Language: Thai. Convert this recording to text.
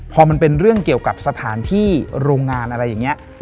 พอมันเป็นเรื่องเกี่ยวกับสถานที่โรงงานอะไรอย่างนี้